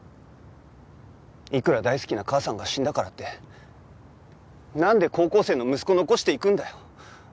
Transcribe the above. いくら大好きな母さんが死んだからってなんで高校生の息子を残していくんだよ。